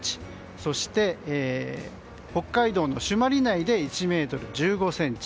そして北海道の朱鞠内で１ｍ１５ｃｍ。